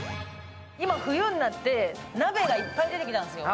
今、冬になって鍋がいっぱい出てきたんですよ。